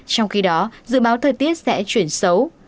trong khi đó dự báo thời tiết sẽ chuyển xấu